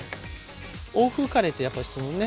欧風カレーってやっぱりそのね